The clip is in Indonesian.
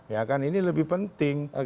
ya kan ini lebih penting